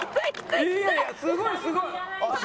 いやいやすごいすごい！